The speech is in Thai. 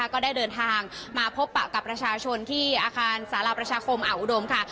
ก็ได้เดินทางมาพบปะกับประชาชนที่อาคารสารประชาคมอ่าวอุดมค่ะ